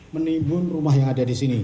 menimbun rumah yang ada di sini